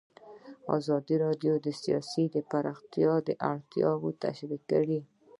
ازادي راډیو د سیاست د پراختیا اړتیاوې تشریح کړي.